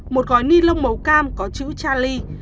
một gói ni lông màu cam có chữ charlie